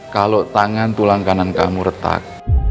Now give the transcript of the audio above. kalau tangan tulang kanan kamu retak